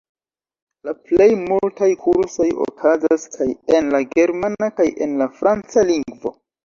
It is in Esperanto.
La plej multaj kursoj okazas kaj en la germana kaj en la franca lingvo.